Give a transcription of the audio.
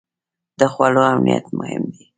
د خوړو امنیت مهم دی.